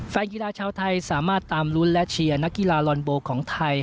แฟนกีฬาชาวไทยสามารถตามลุ้นและเชียร์นักกีฬาลอนโบของไทย